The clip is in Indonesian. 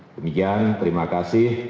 demikian terima kasih